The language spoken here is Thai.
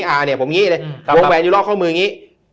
อันนี้ผมงี้เลยวงแหวนอยู่รอบข้อมืออย่างนี้